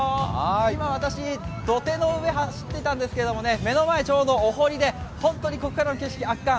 今、私、土手の上を走ってたんですけど、目の前ちょうどお堀で、本当にここからの景色は圧巻。